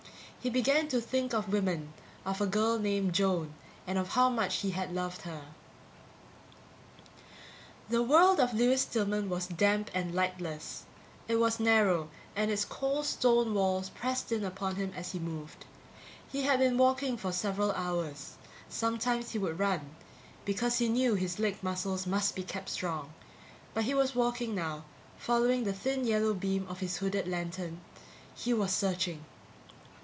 He began to think of women, of a girl named Joan, and of how much he had loved her ...The world of Lewis Stillman was damp and lightless; it was narrow and its cold stone walls pressed in upon him as he moved. He had been walking for several hours; sometimes he would run, because he knew his leg muscles must be kept strong, but he was walking now, following the thin yellow beam of his hooded lantern. He was searching.